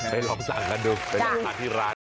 ลองสั่งกันดูไปลองทานที่ร้าน